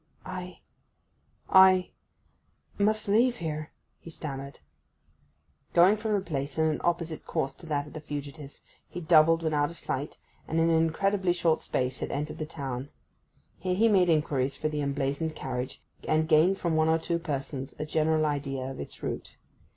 'I—I—must leave here,' he stammered. Going from the place in an opposite course to that of the fugitives, he doubled when out of sight, and in an incredibly short space had entered the town. Here he made inquiries for the emblazoned carriage, and gained from one or two persons a general idea of its route.